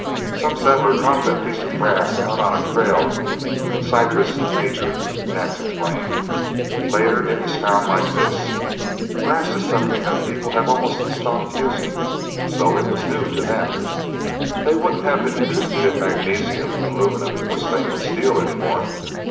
"Some settler dropped the piece of brass out on a trail in Syrtis Major," Nance explained. "Later, it was found like this. Brass is something that people have almost stopped using. So, it was new to them. They wouldn't have been interested in magnesium, aluminum, or stainless steel anymore.